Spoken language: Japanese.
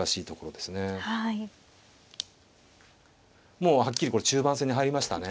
もうはっきりこれ中盤戦に入りましたね。